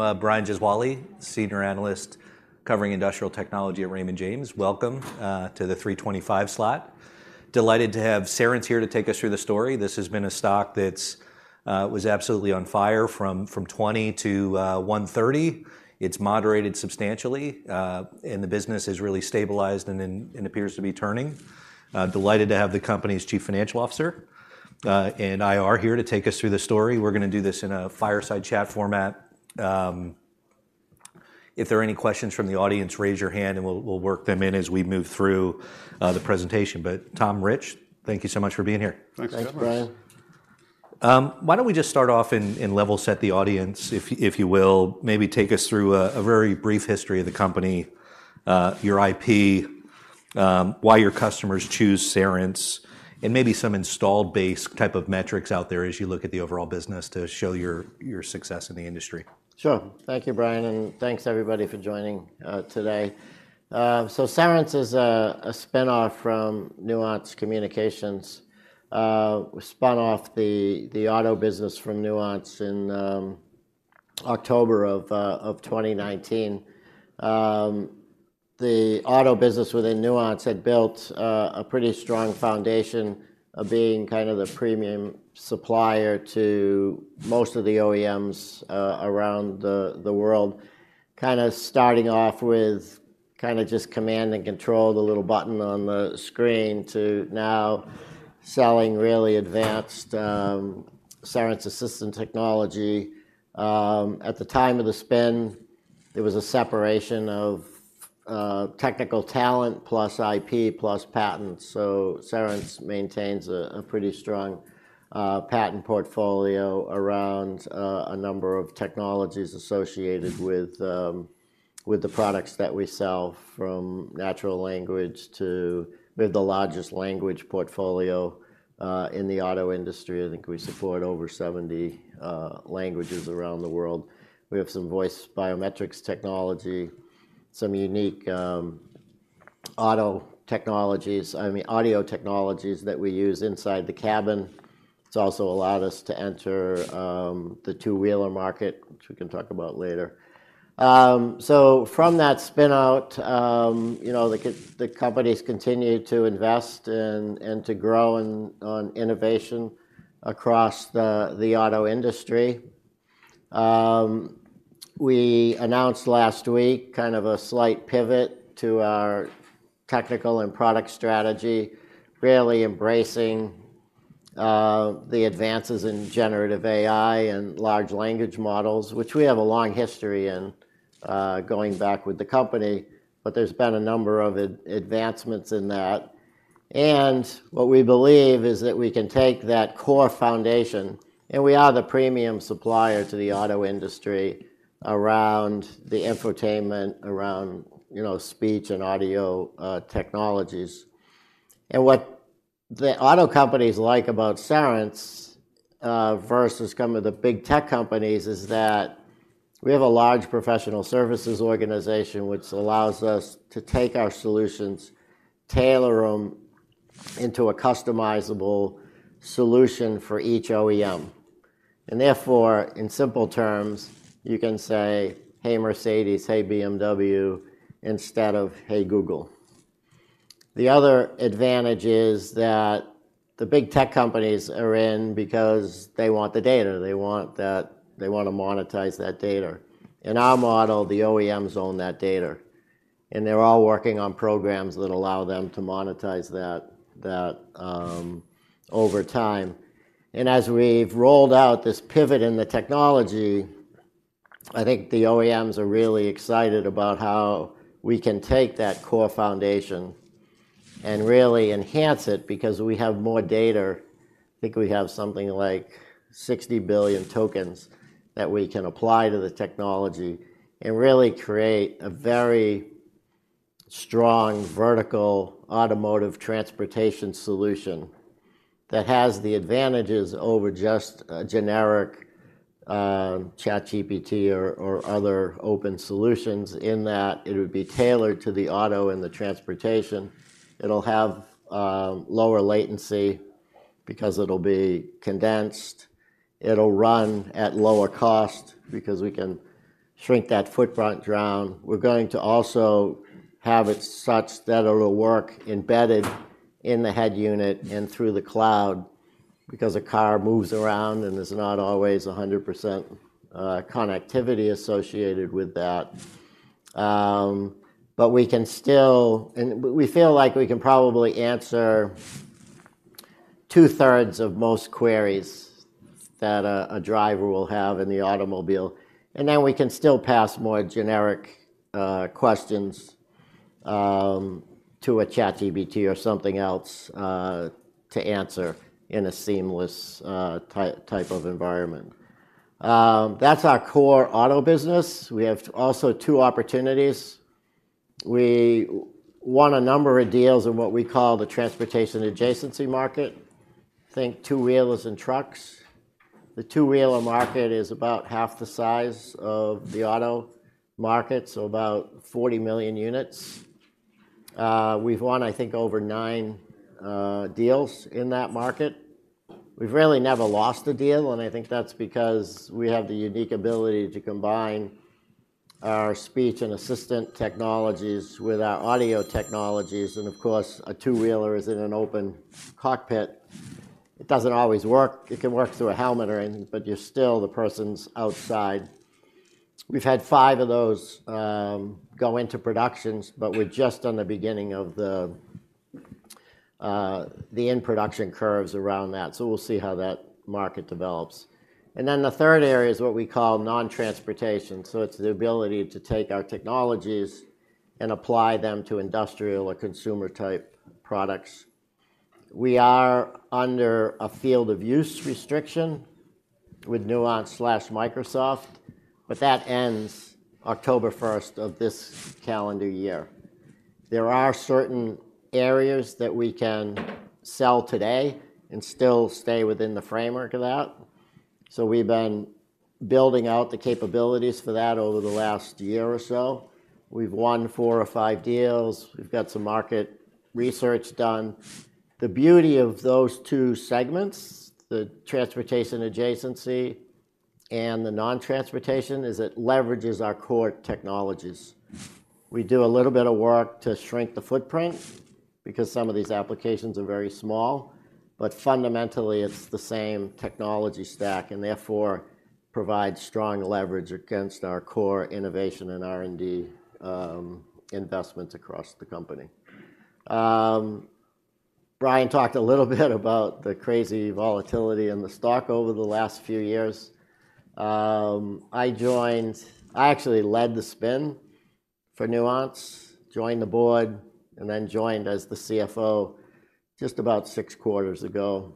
I'm Brian Gesuale, senior analyst covering industrial technology at Raymond James. Welcome to the 3:25 slot. Delighted to have Cerence here to take us through the story. This has been a stock that was absolutely on fire from $20 to $130. It's moderated substantially, and the business is really stabilized and appears to be turning. Delighted to have the company's Chief Financial Officer and IR here to take us through the story. We're gonna do this in a fireside chat format. If there are any questions from the audience, raise your hand, and we'll work them in as we move through the presentation. But Tom, Rich, thank you so much for being here. Thanks, Brian. Thanks very much. Why don't we just start off and level set the audience, if you will. Maybe take us through a very brief history of the company, your IP, why your customers choose Cerence, and maybe some installed base type of metrics out there as you look at the overall business to show your success in the industry. Sure. Thank you, Brian, and thanks, everybody, for joining today. So Cerence is a spinoff from Nuance Communications. We spun off the auto business from Nuance in October of 2019. The auto business within Nuance had built a pretty strong foundation of being kind of the premium supplier to most of the OEMs around the world. Kinda starting off with kinda just command and control, the little button on the screen, to now selling really advanced Cerence Assistant technology. At the time of the spin, there was a separation of technical talent plus IP plus patents, so Cerence maintains a pretty strong patent portfolio around a number of technologies associated with the products that we sell, from natural language to... We have the largest language portfolio in the auto industry. I think we support over 70 languages around the world. We have some voice biometrics technology, some unique auto technologies—I mean, audio technologies that we use inside the cabin. It's also allowed us to enter the two-wheeler market, which we can talk about later. So from that spin out, you know, the company's continued to invest and to grow on innovation across the auto industry. We announced last week kind of a slight pivot to our technical and product strategy, really embracing the advances in generative AI and large language models, which we have a long history in, going back with the company, but there's been a number of advancements in that. What we believe is that we can take that core foundation, and we are the premium supplier to the auto industry around the infotainment, around, you know, speech and audio technologies. What the auto companies like about Cerence, versus some of the big tech companies, is that we have a large professional services organization which allows us to take our solutions, tailor them into a customizable solution for each OEM. And therefore, in simple terms, you can say, "Hey, Mercedes," "Hey, BMW," instead of, "Hey, Google." The other advantage is that the big tech companies are in because they want the data. They want to monetize that data. In our model, the OEMs own that data, and they're all working on programs that allow them to monetize that over time. As we've rolled out this pivot in the technology, I think the OEMs are really excited about how we can take that core foundation and really enhance it, because we have more data. I think we have something like 60 billion tokens that we can apply to the technology and really create a very strong vertical automotive transportation solution that has the advantages over just a generic, ChatGPT or other open solutions, in that it would be tailored to the auto and the transportation. It'll have lower latency because it'll be condensed. It'll run at lower cost because we can shrink that footprint down. We're going to also have it such that it'll work embedded in the head unit and through the cloud, because a car moves around, and there's not always 100% connectivity associated with that. But we can still and we feel like we can probably answer two-thirds of most queries that a driver will have in the automobile, and then we can still pass more generic questions to a ChatGPT or something else to answer in a seamless type of environment. That's our core auto business. We have also two opportunities. We won a number of deals in what we call the transportation adjacency market. Think two-wheelers and trucks. The two-wheeler market is about half the size of the auto market, so about 40 million units. We've won, I think, over nine deals in that market. We've really never lost a deal, and I think that's because we have the unique ability to combine our speech and assistant technologies with our audio technologies. And of course, a two-wheeler is in an open cockpit. It doesn't always work. It can work through a helmet or anything, but you're still the person's outside. We've had 5 of those go into productions, but we're just on the beginning of the in-production curves around that. So we'll see how that market develops. Then the third area is what we call non-transportation. So it's the ability to take our technologies and apply them to industrial or consumer-type products. We are under a field of use restriction with Nuance/Microsoft, but that ends October first of this calendar year. There are certain areas that we can sell today and still stay within the framework of that. So we've been building out the capabilities for that over the last year or so. We've won 4 or 5 deals. We've got some market research done. The beauty of those two segments, the transportation adjacency and the non-transportation, is it leverages our core technologies. We do a little bit of work to shrink the footprint because some of these applications are very small, but fundamentally, it's the same technology stack, and therefore, provides strong leverage against our core innovation and R&D investments across the company. Brian talked a little bit about the crazy volatility in the stock over the last few years. I joined—I actually led the spin for Nuance, joined the board, and then joined as the CFO just about six quarters ago.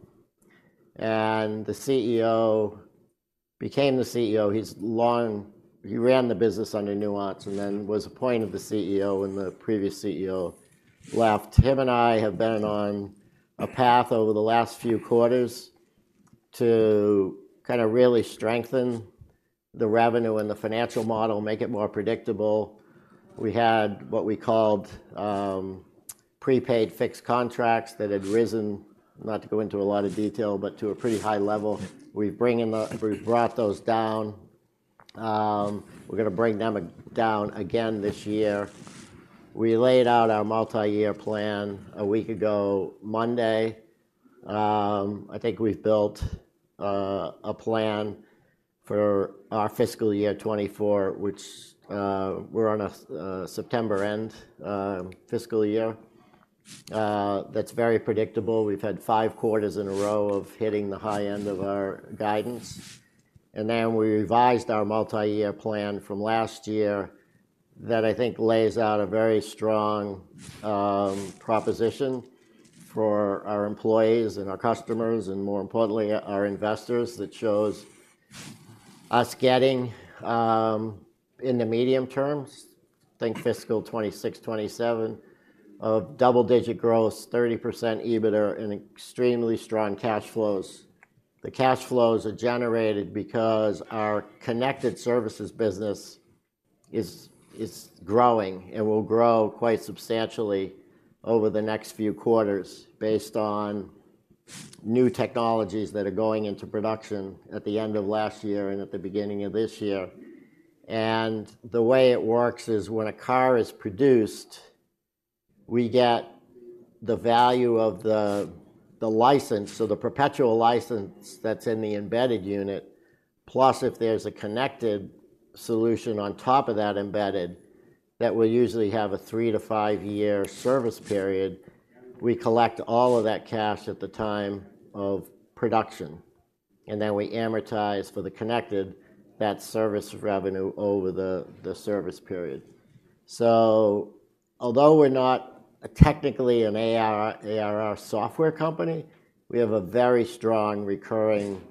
And the CEO became the CEO. He ran the business under Nuance and then was appointed the CEO when the previous CEO left. Him and I have been on a path over the last few quarters to kinda really strengthen the revenue and the financial model, make it more predictable. We had what we called prepaid fixed contracts that had risen, not to go into a lot of detail, but to a pretty high level. We've brought those down. We're gonna bring them down again this year. We laid out our multi-year plan a week ago, Monday. I think we've built a plan for our fiscal year 2024, which we're on a September end fiscal year. That's very predictable. We've had five quarters in a row of hitting the high end of our guidance, and then we revised our multi-year plan from last year that I think lays out a very strong proposition for our employees and our customers, and more importantly, our investors, that shows us getting in the medium term, I think fiscal 2026, 2027, of double-digit growth, 30% EBITDA, and extremely strong cash flows. The cash flows are generated because our connected services business is, is growing and will grow quite substantially over the next few quarters based on new technologies that are going into production at the end of last year and at the beginning of this year. The way it works is when a car is produced, we get the value of the, the license, so the perpetual license that's in the embedded unit, plus if there's a connected solution on top of that embedded, that will usually have a 3-5-year service period. We collect all of that cash at the time of production, and then we amortize for the connected, that service revenue over the, the service period. So although we're not technically an ARR software company, we have a very strong recurring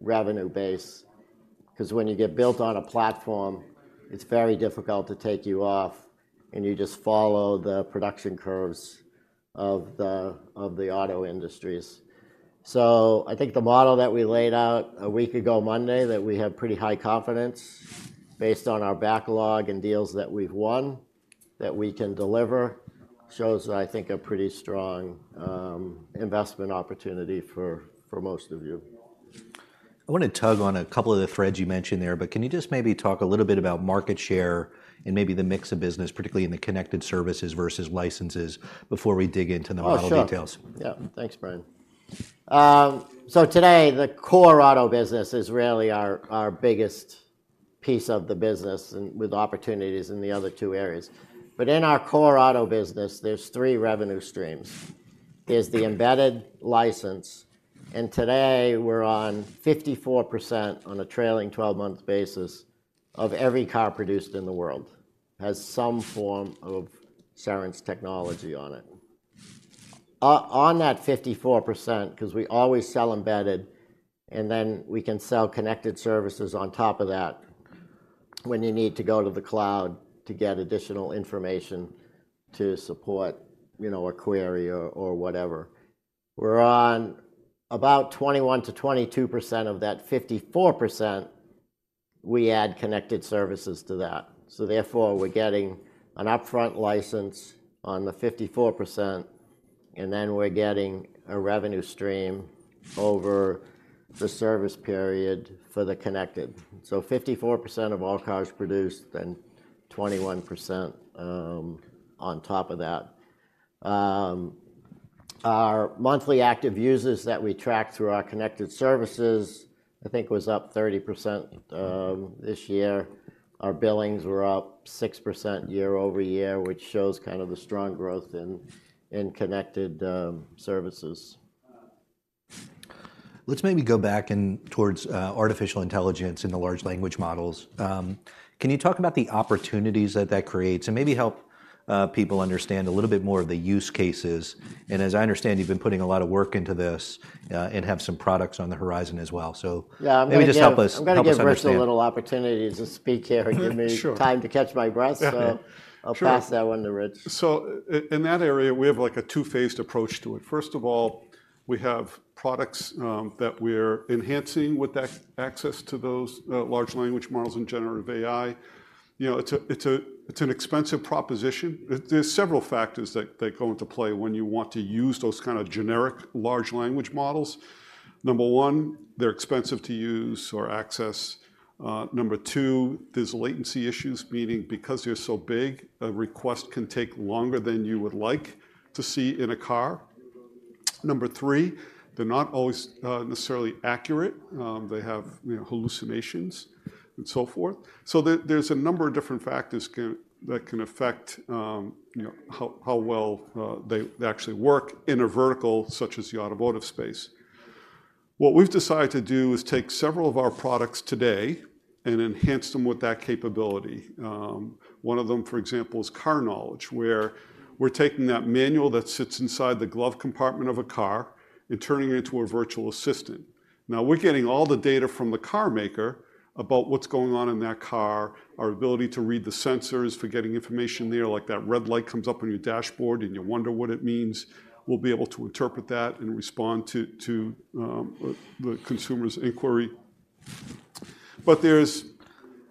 revenue base, 'cause when you get built on a platform, it's very difficult to take you off, and you just follow the production curves of the, of the auto industries. I think the model that we laid out a week ago Monday, that we have pretty high confidence based on our backlog and deals that we've won, that we can deliver, shows, I think, a pretty strong investment opportunity for most of you. I want to tug on a couple of the threads you mentioned there, but can you just maybe talk a little bit about market share and maybe the mix of business, particularly in the connected services versus licenses, before we dig into the model details? Oh, sure. Yeah. Thanks, Brian. So today, the core auto business is really our, our biggest piece of the business and with opportunities in the other two areas. But in our core auto business, there's three revenue streams. There's the embedded license, and today we're on 54% on a trailing twelve-month basis of every car produced in the world, has some form of Cerence technology on it. On that 54%, 'cause we always sell embedded, and then we can sell connected services on top of that when you need to go to the cloud to get additional information to support, you know, a query or whatever. We're on about 21%-22% of that 54%. We add connected services to that. So therefore, we're getting an upfront license on the 54 percent, and then we're getting a revenue stream over the service period for the connected. So 54 percent of all cars produced, then 21 percent on top of that. Our monthly active users that we track through our connected services, I think, was up 30% this year. Our billings were up 6% year over year, which shows kind of the strong growth in connected services. Let's maybe go back in towards artificial intelligence and the large language models. Can you talk about the opportunities that that creates, and maybe help people understand a little bit more of the use cases? And as I understand, you've been putting a lot of work into this, and have some products on the horizon as well. So- Yeah, I'm gonna give- Maybe just help us, help us understand. I'm gonna give Rich a little opportunity to speak here. Sure And give me time to catch my breath. Yeah. Sure. I'll pass that one to Rich. So in that area, we have, like, a two-phased approach to it. First of all, we have products that we're enhancing with access to those large language models and generative AI. You know, it's an expensive proposition. There are several factors that go into play when you want to use those kind of generic large language models. Number one, they're expensive to use or access. Number two, there's latency issues, meaning because they're so big, a request can take longer than you would like to see in a car. Number three, they're not always necessarily accurate. They have, you know, hallucinations and so forth. So there's a number of different factors that can affect, you know, how well they actually work in a vertical such as the automotive space. What we've decided to do is take several of our products today and enhance them with that capability. One of them, for example, is Car Knowledge, where we're taking that manual that sits inside the glove compartment of a car and turning it into a virtual assistant. Now, we're getting all the data from the car maker about what's going on in that car, our ability to read the sensors for getting information there. Like, that red light comes up on your dashboard, and you wonder what it means. We'll be able to interpret that and respond to the consumer's inquiry. But there's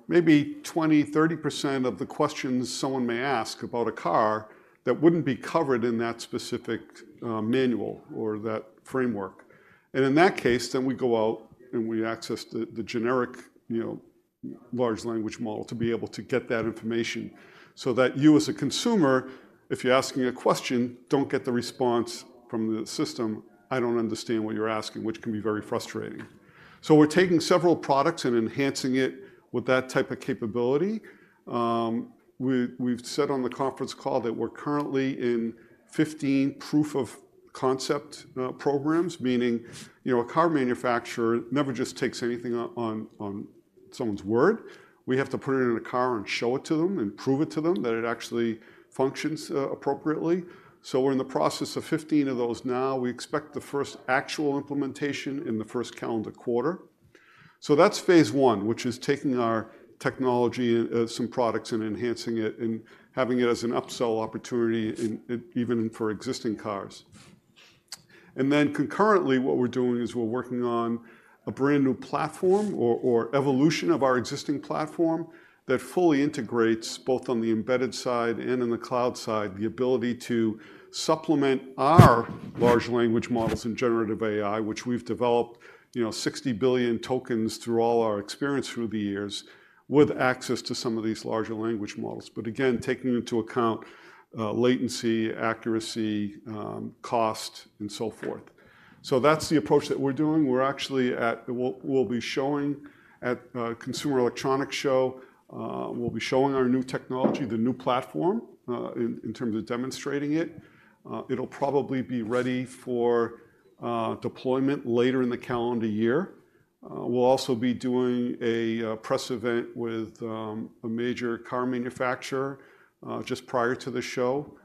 maybe 20%-30% of the questions someone may ask about a car that wouldn't be covered in that specific manual or that framework. In that case, then we go out, and we access the generic, you know, large language model to be able to get that information, so that you, as a consumer, if you're asking a question, don't get the response from the system, "I don't understand what you're asking," which can be very frustrating. So we're taking several products and enhancing it with that type of capability. We've said on the conference call that we're currently in 15 proof of concept programs, meaning, you know, a car manufacturer never just takes anything on someone's word. We have to put it in a car and show it to them and prove it to them that it actually functions appropriately. So we're in the process of 15 of those now. We expect the first actual implementation in the first calendar quarter. So that's phase one, which is taking our technology, some products, and enhancing it, and having it as an upsell opportunity in it, even for existing cars. And then concurrently, what we're doing is we're working on a brand-new platform or evolution of our existing platform that fully integrates, both on the embedded side and in the cloud side, the ability to supplement our large language models and generative AI, which we've developed, you know, 60 billion tokens through all our experience through the years, with access to some of these larger language models. But again, taking into account, latency, accuracy, cost, and so forth. So that's the approach that we're doing. We're actually. We'll be showing at Consumer Electronics Show. We'll be showing our new technology, the new platform, in terms of demonstrating it. It'll probably be ready for deployment later in the calendar year. We'll also be doing a press event with a major car manufacturer just prior to the show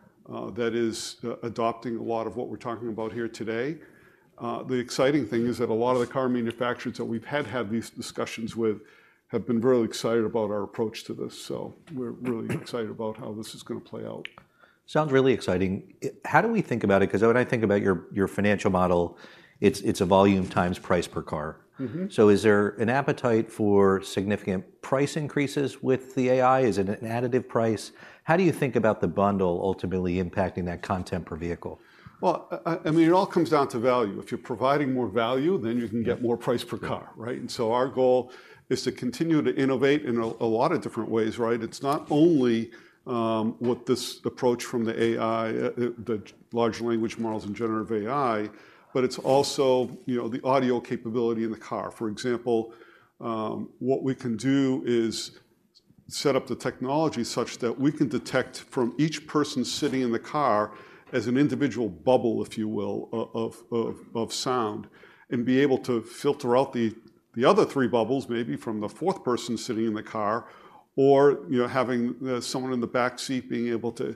that is adopting a lot of what we're talking about here today. The exciting thing is that a lot of the car manufacturers that we've had these discussions with have been very excited about our approach to this, so we're really excited about how this is gonna play out. Sounds really exciting. How do we think about it? 'Cause when I think about your, your financial model, it's, it's a volume times price per car. Mm-hmm. Is there an appetite for significant price increases with the AI? Is it an additive price? How do you think about the bundle ultimately impacting that cost per vehicle? Well, I mean, it all comes down to value. If you're providing more value, then you can get more price per car, right? Yeah. Our goal is to continue to innovate in a lot of different ways, right? It's not only with this approach from the AI, the large language models and generative AI, but it's also, you know, the audio capability in the car. For example, what we can do is set up the technology such that we can detect from each person sitting in the car as an individual bubble, if you will, of sound and be able to filter out the other three bubbles, maybe from the fourth person sitting in the car, or, you know, having someone in the back seat being able to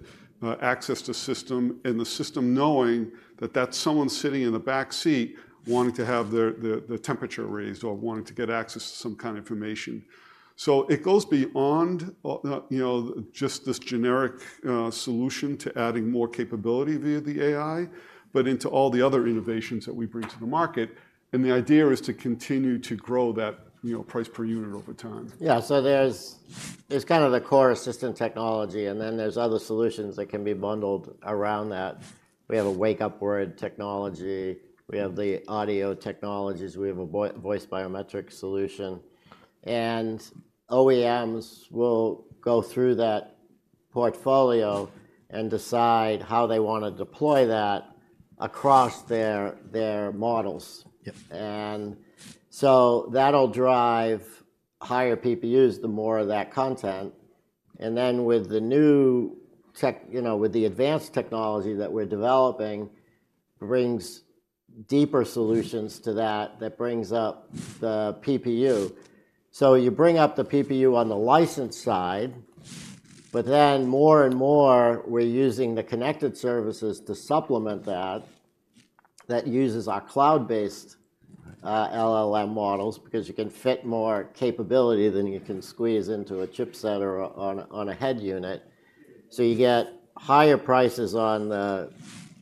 access the system, and the system knowing that that someone sitting in the back seat wanting to have their temperature raised or wanting to get access to some kind of information. So it goes beyond, you know, just this generic solution to adding more capability via the AI, but into all the other innovations that we bring to the market. And the idea is to continue to grow that, you know, price per unit over time. Yeah. So there's kind of the core assistant technology, and then there's other solutions that can be bundled around that. We have a wake-up word technology, we have the audio technologies, we have a voice biometrics solution. And OEMs will go through that portfolio and decide how they wanna deploy that across their models. Yep. And so that'll drive higher PPUs, the more of that content. And then with the new tech, you know, with the advanced technology that we're developing, brings deeper solutions to that, that brings up the PPU. So you bring up the PPU on the license side, but then more and more, we're using the connected services to supplement that, that uses our cloud-based, LLM models, because you can fit more capability than you can squeeze into a chipset or on a head unit. So you get higher prices on the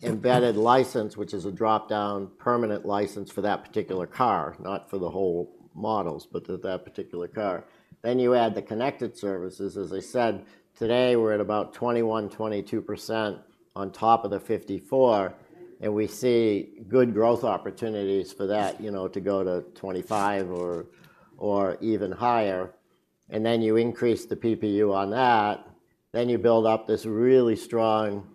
embedded license, which is a drop-down permanent license for that particular car, not for the whole models, but to that particular car. Then you add the connected services. As I said, today, we're at about 21%-22% on top of the 54, and we see good growth opportunities for that, you know, to go to 25 or even higher. And then you increase the PPU on that, then you build up this really strong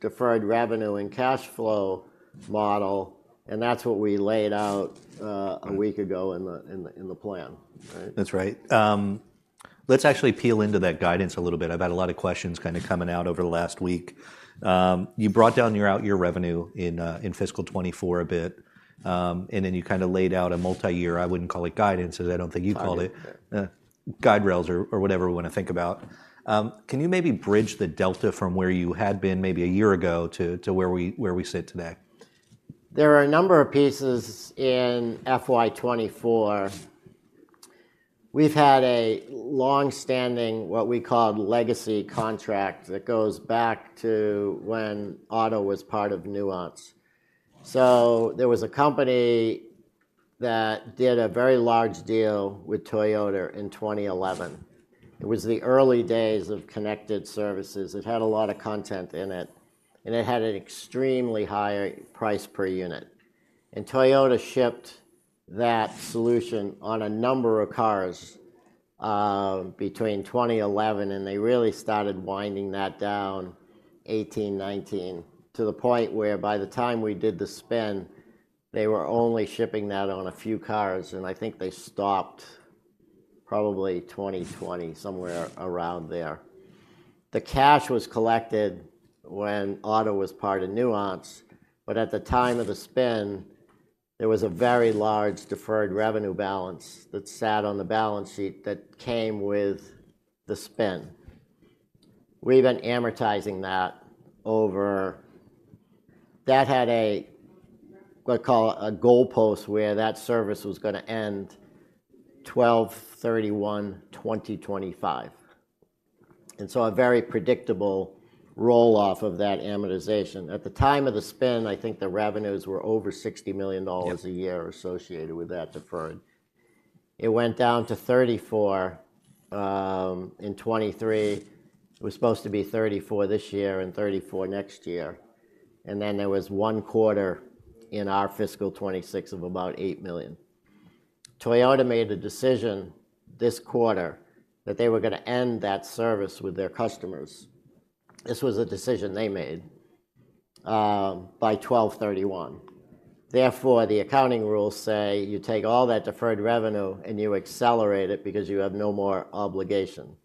deferred revenue and cash flow model, and that's what we laid out. Mm... a week ago in the plan. Right? That's right. Let's actually peel into that guidance a little bit. I've had a lot of questions kind of coming out over the last week. You brought down your out year revenue in fiscal 2024 a bit. And then you kind of laid out a multi-year, I wouldn't call it guidance, as I don't think you'd call it- Yeah. Guide rails or whatever we wanna think about. Can you maybe bridge the delta from where you had been maybe a year ago to where we sit today? There are a number of pieces in FY 2024. We've had a long-standing, what we call legacy contract, that goes back to when auto was part of Nuance. So there was a company that did a very large deal with Toyota in 2011. It was the early days of connected services. It had a lot of content in it, and it had an extremely high price per unit. And Toyota shipped that solution on a number of cars between 2011 and they really started winding that down 2018, 2019, to the point where by the time we did the spin, they were only shipping that on a few cars, and I think they stopped probably 2020, somewhere around there. The cash was collected when auto was part of Nuance, but at the time of the spin, there was a very large deferred revenue balance that sat on the balance sheet that came with the spin. We've been amortizing that over... That had a, what I call a goalpost, where that service was gonna end 12/31/2025. And so a very predictable roll-off of that amortization. At the time of the spin, I think the revenues were over $60 million a year- Yep... associated with that deferred. It went down to $34 million in 2023. It was supposed to be $34 million this year and $34 million next year, and then there was one quarter in our fiscal 2026 of about $8 million. Toyota made a decision this quarter that they were gonna end that service with their customers. This was a decision they made by 12/31. Therefore, the accounting rules say you take all that deferred revenue, and you accelerate it because you have no more obligation.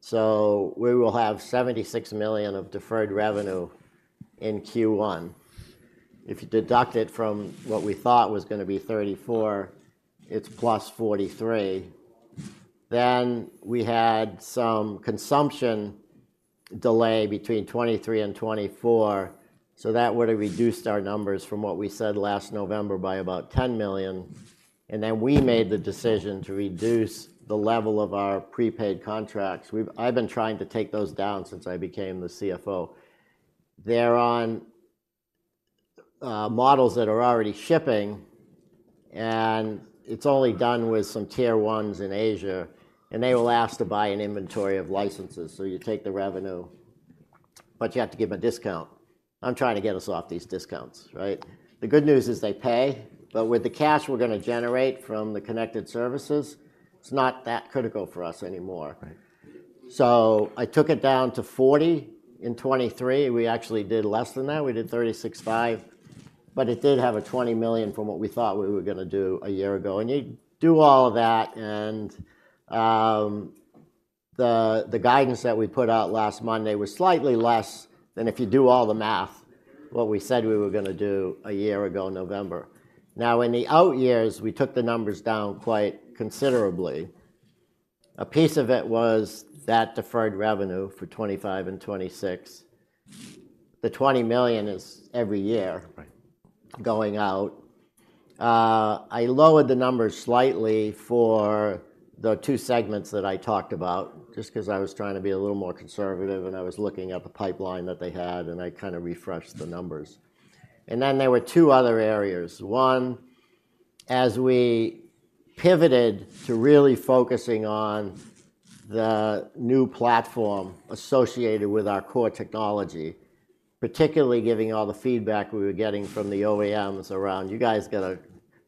So we will have $76 million of deferred revenue in Q1. If you deduct it from what we thought was gonna be $34 million, it's +$43 million. Then we had some consumption delay between 2023 and 2024, so that would have reduced our numbers from what we said last November by about $10 million, and then we made the decision to reduce the level of our prepaid contracts. We've. I've been trying to take those down since I became the CFO. They're on models that are already shipping, and it's only done with some Tier 1s in Asia, and they will ask to buy an inventory of licenses. So you take the revenue, but you have to give a discount. I'm trying to get us off these discounts, right? The good news is they pay, but with the cash we're gonna generate from the connected services, it's not that critical for us anymore. Right. So I took it down to 40. In 2023, we actually did less than that. We did $36.5 million, but it did have a $20 million from what we thought we were gonna do a year ago. And you do all of that, and the guidance that we put out last Monday was slightly less than if you do all the math, what we said we were going to do a year ago in November. Now, in the out years, we took the numbers down quite considerably. A piece of it was that deferred revenue for 2025 and 2026. The $20 million is every year- Right. going out. I lowered the numbers slightly for the two segments that I talked about, just 'cause I was trying to be a little more conservative, and I was looking at the pipeline that they had, and I kind of refreshed the numbers. And then there were two other areas. One, as we pivoted to really focusing on the new platform associated with our core technology, particularly giving all the feedback we were getting from the OEMs around, "You guys got to--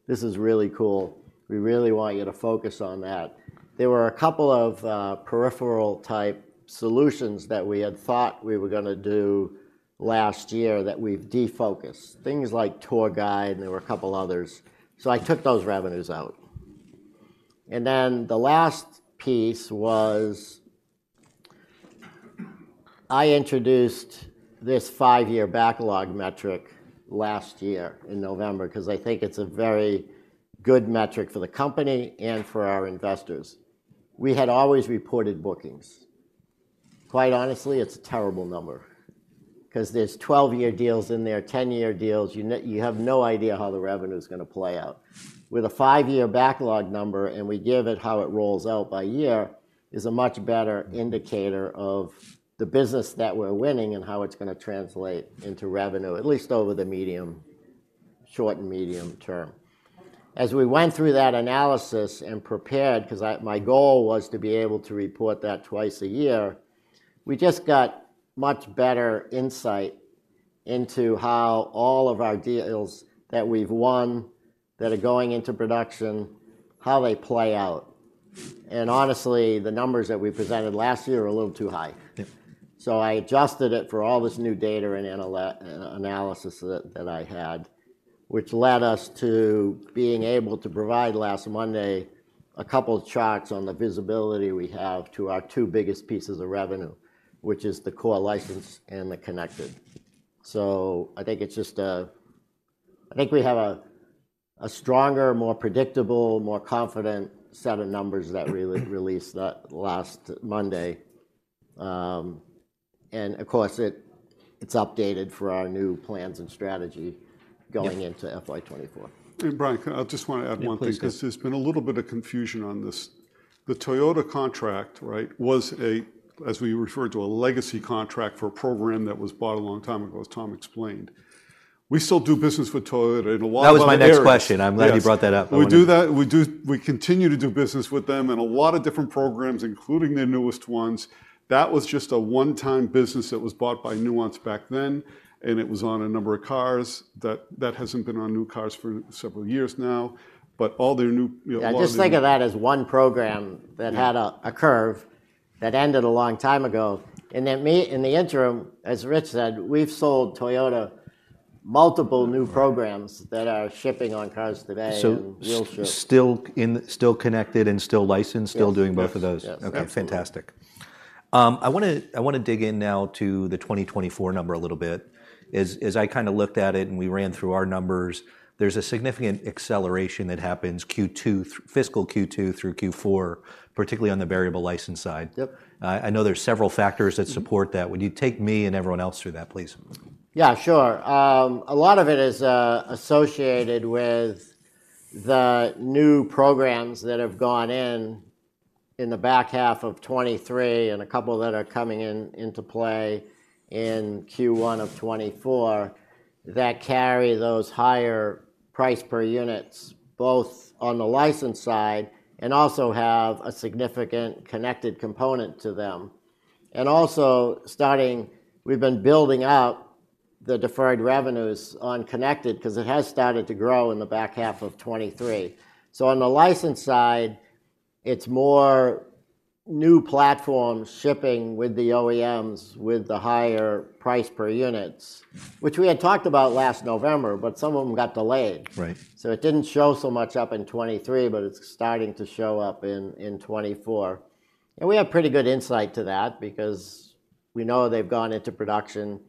This is really cool. We really want you to focus on that." There were a couple of peripheral-type solutions that we had thought we were gonna do last year that we've defocused. Things like Tour Guide, and there were a couple others. So I took those revenues out. The last piece was, I introduced this five-year backlog metric last year in November, 'cause I think it's a very good metric for the company and for our investors. We had always reported bookings. Quite honestly, it's a terrible number, 'cause there's twelve-year deals in there, ten-year deals. You know, you have no idea how the revenue is going to play out. With a five-year backlog number, and we give it how it rolls out by year, is a much better indicator of the business that we're winning and how it's going to translate into revenue, at least over the medium... short and medium term. As we went through that analysis and prepared, 'cause my goal was to be able to report that twice a year, we just got much better insight into how all of our deals that we've won, that are going into production, how they play out. And honestly, the numbers that we presented last year are a little too high. Yeah. So I adjusted it for all this new data and analysis that I had, which led us to being able to provide last Monday a couple of charts on the visibility we have to our two biggest pieces of revenue, which is the core license and the connected. So I think it's just I think we have a stronger, more predictable, more confident set of numbers that we released last Monday. And of course, it's updated for our new plans and strategy- Yeah. - going into FY 2024. Brian, I just want to add one thing- Yeah, please.... 'cause there's been a little bit of confusion on this. The Toyota contract, right, was a, as we refer to, a legacy contract for a program that was bought a long time ago, as Tom explained. We still do business with Toyota in a lot of other areas. That was my next question. Yes. I'm glad you brought that up. We do that. We continue to do business with them in a lot of different programs, including their newest ones. That was just a one-time business that was bought by Nuance back then, and it was on a number of cars. That hasn't been on new cars for several years now, but all their new, you know, a lot of the- Yeah, just think of that as one program that had a- Yeah... a curve that ended a long time ago. In the interim, as Rich said, we've sold Toyota multiple new programs that are shipping on cars today and will ship. So still in, still connected and still licensed? Yes. Still doing both of those. Yes. Yes. Absolutely. Okay, fantastic. I wanna dig in now to the 2024 number a little bit. As I kind of looked at it and we ran through our numbers, there's a significant acceleration that happens fiscal Q2 through Q4, particularly on the variable license side. Yep. I know there's several factors that support that. Would you take me and everyone else through that, please? Yeah, sure. A lot of it is associated with the new programs that have gone in, in the back half of 2023 and a couple that are coming in, into play in Q1 of 2024, that carry those higher price per units, both on the license side and also have a significant connected component to them. And also, starting, we've been building out the deferred revenues on connected, 'cause it has started to grow in the back half of 2023. So on the license side, it's more new platforms shipping with the OEMs, with the higher price per units, which we had talked about last November, but some of them got delayed. Right. It didn't show so much up in 2023, but it's starting to show up in 2024. We have pretty good insight to that because we know they've gone into production.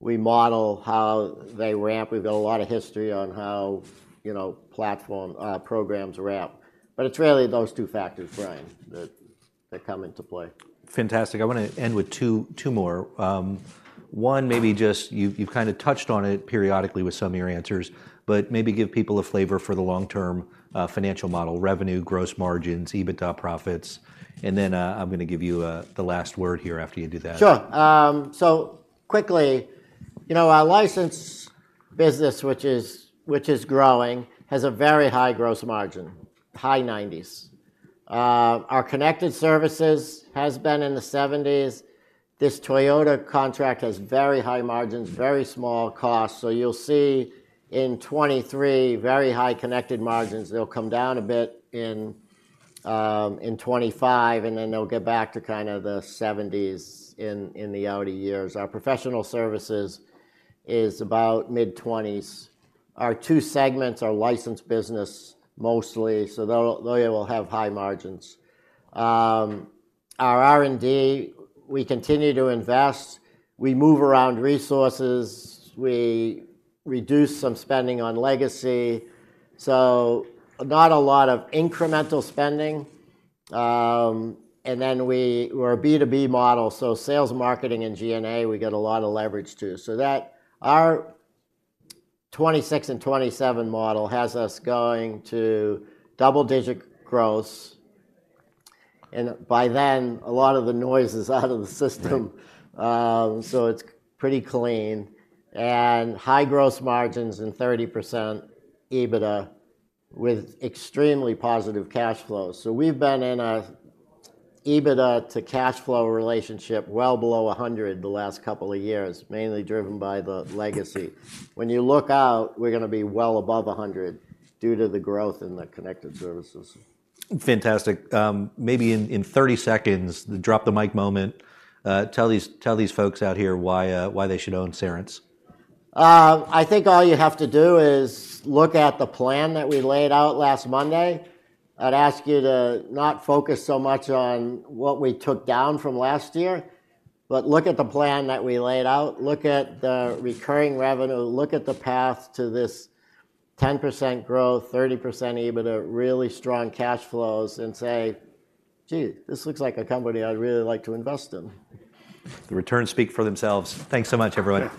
We model how they ramp. We've got a lot of history on how, you know, platform programs ramp. But it's really those two factors, Brian, that come into play. Fantastic. I wanna end with two, two more. One, maybe just... You've kind of touched on it periodically with some of your answers, but maybe give people a flavor for the long-term financial model, revenue, gross margins, EBITDA profits. And then, I'm gonna give you the last word here after you do that. Sure. So quickly, you know, our license business, which is, which is growing, has a very high gross margin, high 90s%. Our connected services has been in the 70s%. This Toyota contract has very high margins, very small cost. So you'll see in 2023, very high connected margins. They'll come down a bit in 2025, and then they'll get back to kind of the 70s% in the out years. Our professional services is about mid-20s%. Our two segments are licensed business mostly, so they'll, they will have high margins. Our R&D, we continue to invest, we move around resources, we reduce some spending on legacy, so not a lot of incremental spending. And then we're a B2B model, so sales, marketing, and G&A, we get a lot of leverage, too. So that our 2026 and 2027 model has us going to double-digit growth, and by then, a lot of the noise is out of the system- Right so it's pretty clean, and high growth margins and 30% EBITDA with extremely positive cash flow. So we've been in a EBITDA-to-cash flow relationship well below 100 the last couple of years, mainly driven by the legacy. When you look out, we're gonna be well above 100 due to the growth in the connected services. Fantastic. Maybe in 30 seconds, the drop-the-mic moment, tell these folks out here why they should own Cerence. I think all you have to do is look at the plan that we laid out last Monday. I'd ask you to not focus so much on what we took down from last year, but look at the plan that we laid out, look at the recurring revenue, look at the path to this 10% growth, 30% EBITDA, really strong cash flows, and say, "Gee, this looks like a company I'd really like to invest in. The returns speak for themselves. Thanks so much, everyone.